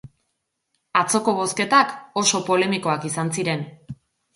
Atzoko bozketak oso polemikoak izan ziren.